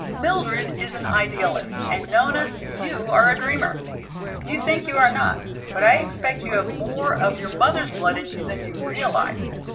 Mildred is an idealist, and Nona, you are a dreamer. You think you are not, but I expect you have more of your mother's blood in you than you realize.